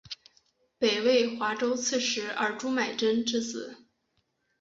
北魏华州刺史尔朱买珍之子。